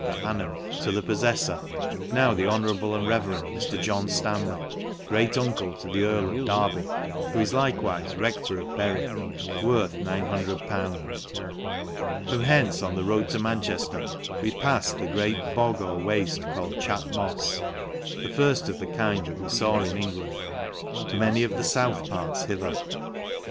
per annum to the pof HTor, now the honourable and reverend Mr. John Stanley, great, uncle to the earl of Derby > who is ikewife rector of Bury, worth 900/. 'From hcnce v on the road to Manchefter^ we palled ;He great bog or wafte, called Chat mofs, the firft of ;he kind that we faw in England, from any of the buth parts hither.